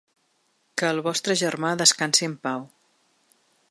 Que el vostre germà descansi en pau.